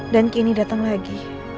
dan kini datang lagi